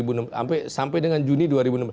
sampai dengan juni dua ribu enam belas